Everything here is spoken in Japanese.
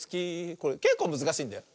これけっこうむずかしいんだよ。